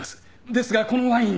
ですがこのワインには。